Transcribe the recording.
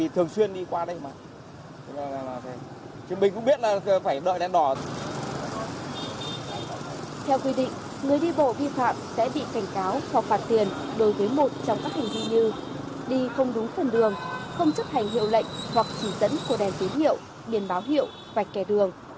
theo quy định người đi bộ vi phạm sẽ bị cảnh cáo hoặc phạt tiền đối với một trong các hành vi như đi không đúng phần đường không chấp hành hiệu lệnh hoặc chỉ dẫn của đèn tín hiệu biển báo hiệu vạch kẻ đường